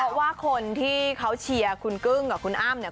เพราะว่าคนที่เขาเชียร์คุณกึ้งกับคุณอ้ำเนี่ย